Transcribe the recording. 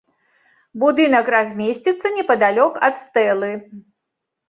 Будынак размесціцца непадалёк ад стэлы.